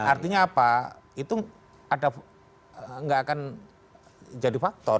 artinya apa itu nggak akan jadi faktor